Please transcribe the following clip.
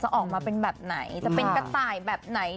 ออกมาเป็นแบบไหนจะเป็นกระต่ายแบบไหน